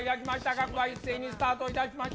各馬一斉にスタートいたしました。